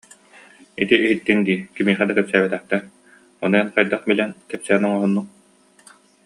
Ити иһиттиҥ дии, кимиэхэ да кэпсээбэтэхтэр, ону эн хайдах билэн, кэпсээн оҥоһуннуҥ